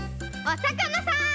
おさかなさん！